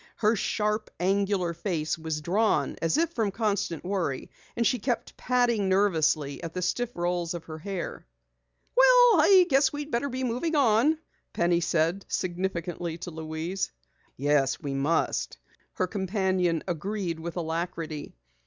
Her sharp, angular face was drawn as if from constant worry, and she kept patting nervously at the stiff rolls of her hair. "Well, I guess we'd better be moving on," Penny said significantly to Louise. "Yes, we must," her companion agreed with alacrity.